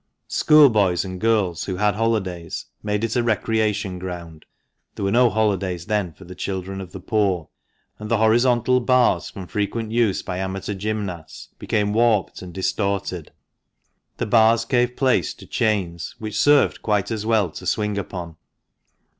School boys and girls, who had holidays, made it a recreation ground (there were no holidays then for the children of the poor), and the horizontal bars from frequent use by amateur gymnasts became warped and distorted. The bars gave place to chains, which served quite as well to swing upon.